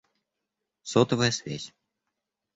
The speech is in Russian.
Сотовая связь